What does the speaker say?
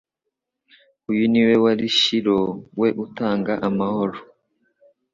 Uyu ni We wari Shilo, We utanga amahoro